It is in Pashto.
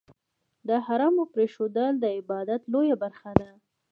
د حرامو پرېښودل، د عبادت لویه برخه ده.